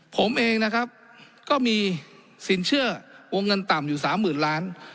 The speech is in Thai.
ผมเองนะครับก็มีสินเชื่อวงเงินต่ำอยู่๓๐๐๐ล้าน